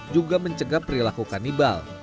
juga mencegah perilaku kanibal